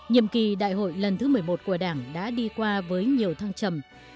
nhiệm kỳ đại hội lần thứ một mươi một của đảng đã đi qua với nhiều thăng trầm